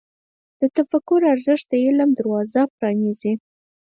د تفکر ارزښت د علم دروازه پرانیزي.